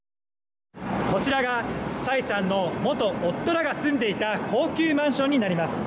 こちらがサイさんの元夫らが住んでいた高級マンションになります。